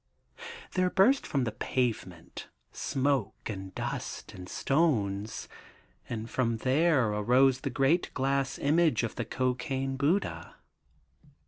There burst from the pavement smoke and dust and stones, and from therr arose the great glass image of the cocaine Buddha.